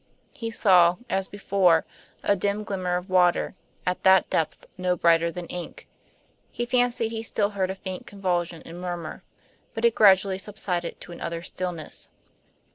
He saw, as before, a dim glimmer of water, at that depth no brighter than ink; he fancied he still heard a faint convulsion and murmur, but it gradually subsided to an utter stillness.